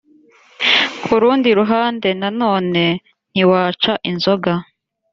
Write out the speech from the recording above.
ku rundi ruhande nanone ntiwaca inzoga